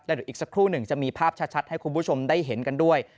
เดี๋ยวอีกสักครู่หนึ่งจะมีภาพชัดให้คุณผู้ชมได้เห็นกันด้วย